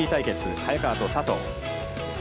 早川と佐藤。